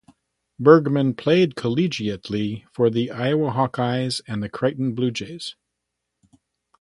Bergman played collegiately for the Iowa Hawkeyes and the Creighton Bluejays.